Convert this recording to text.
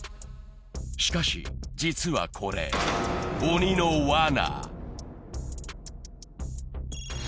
しかし、実はこれ、鬼のわな。